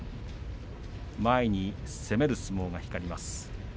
前に攻める相撲が光ります。